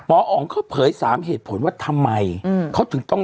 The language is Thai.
อ๋ออ๋องเขาเผยสามเหตุผลว่าทำไมเขาถึงต้อง